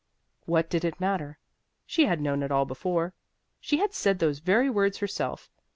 What did it matter? She had known it all before. She had said those very words herself.